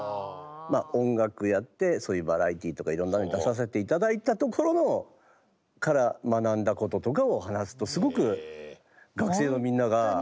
音楽やってそういうバラエティーとかいろんなのに出させて頂いたところから学んだこととかを話すとすごく学生のみんなが共感してもらえる。